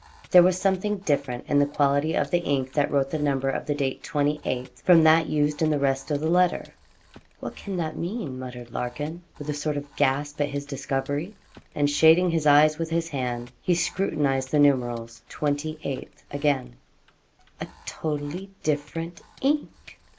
There was something different in the quality of the ink that wrote the number of the date, 28th, from that used in the rest of the letter. 'What can that mean?' muttered Larkin, with a sort of gasp at his discovery; and shading his eyes with his hand, he scrutinised the numerals '28th,' again; 'a totally different ink!